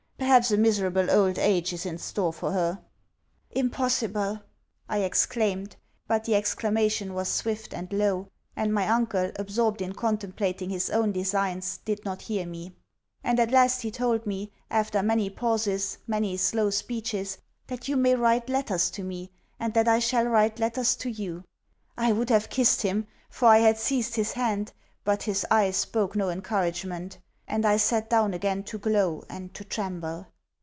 Perhaps a miserable old age is in store for her.' 'Impossible!' I exclaimed; but the exclamation was swift and low; and my uncle, absorbed in contemplating his own designs, did not hear me. And at last he told me, after many pauses, many slow speeches, that you may write letters to me, and that I shall write letters to you. I would have kissed him, for I had seized his hand, but his eye spoke no encouragement; and I sat down again to glow, and to tremble.